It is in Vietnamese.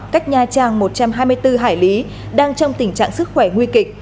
cách nha trang một trăm hai mươi bốn hải lý đang trong tình trạng sức khỏe nguy kịch